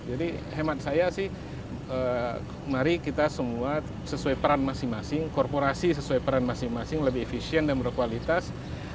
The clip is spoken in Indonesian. jadi hemat saya sih mari kita semua sesuai peran masing masing korporasi sesuai peran masing masing lebih efisien dan berkualitas